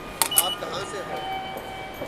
آپ کہاں سے ہوں؟